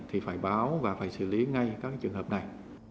thì phải báo và phải xử lý ngay các trường hợp này